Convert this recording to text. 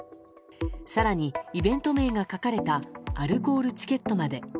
更にイベント名が書かれたアルコールチケットまで。